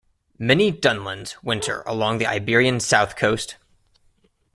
Many dunlins winter along the Iberian south coast.